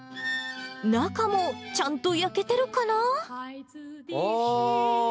中もちゃんと焼けてるかな？